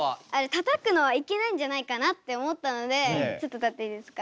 たたくのはいけないんじゃないかなって思ったのでちょっと立っていいですか。